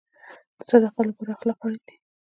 د صداقت لپاره اخلاق اړین دي